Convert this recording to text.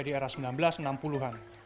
di era seribu sembilan ratus enam puluh an